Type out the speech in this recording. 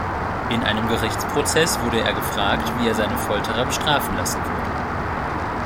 In einem Gerichtsprozess wurde er gefragt, wie er seine Folterer bestrafen lassen würde.